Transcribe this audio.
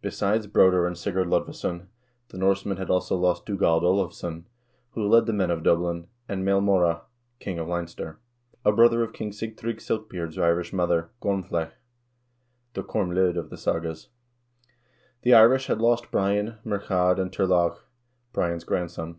Besides Broder and Sigurd Lodvesson, the Norsemen had also lost Dugald Olavsson, who led the men of Dublin, and Maelmorda, king of Lein ster, a brother of King Sigtrygg Silkbeard's Irish mother, Gormflaith, (the Korml0d of the sagas). The Irish had lost Brian, Murchad, and Turlogh, Brian's grandson.